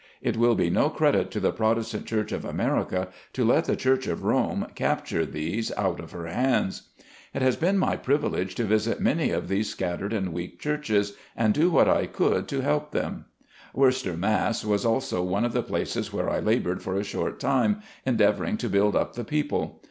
It will be no credit to the Protestant Church of America to let the Church of Rome capture these out of her hands. It has been my privilege to visit many of these scattered and weak churches, and do what I could to help them. 118 SLAVE CABIN TO PULPIT. Worcester, Mass., was also one of the places where I labored for a short time, endeavoring to build up the people.